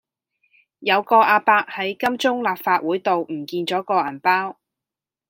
有個亞伯喺金鐘立法會道唔見左個銀包